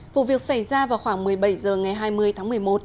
vụ việc xảy ra vào khoảng một mươi bảy h ngày hai mươi tháng một mươi một